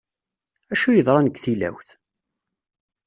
Acu yeḍran, deg tilawt?